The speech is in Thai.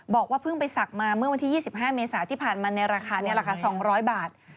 บอกว่าเพิ่งไปศักดิ์มาเมื่อวันที่๒๕เมษาที่ผ่านมาในราคานี้ราคา๒๐๐บาท